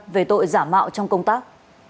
về tội giả mạo trong công tác